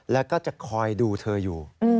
แล้วก็จะคอยดูเธออยู่